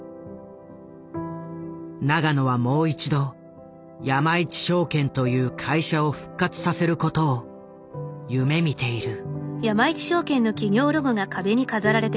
永野はもう一度山一証券という会社を復活させることを夢みている。